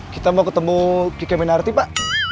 kita mau ketemu kiki menarti pak